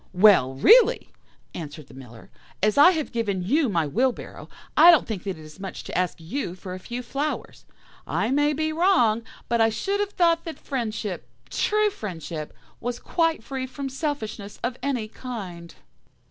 "'Well, really,' answered the Miller, 'as I have given you my wheelbarrow, I don't think that it is much to ask you for a few flowers. I may be wrong, but I should have thought that friendship, true friendship, was quite free from selfishness of any kind.